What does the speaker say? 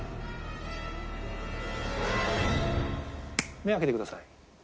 目開けてください。